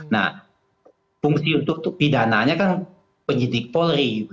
nah fungsi untuk pidananya kan penyidik polri